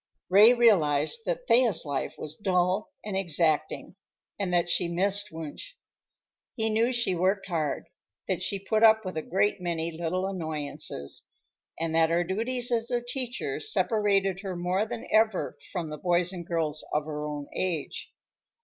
Ray realized that Thea's life was dull and exacting, and that she missed Wunsch. He knew she worked hard, that she put up with a great many little annoyances, and that her duties as a teacher separated her more than ever from the boys and girls of her own age.